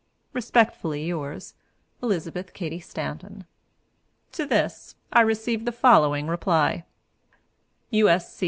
"Respectfully Yours, "Elizabeth Cady Stanton." To this I received the following reply: "U.